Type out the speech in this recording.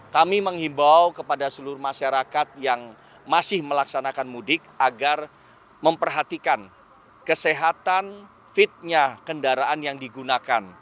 kami mengimbau kepada seluruh masyarakat yang masih melaksanakan mudik agar memperhatikan kesehatan fitnya kendaraan yang digunakan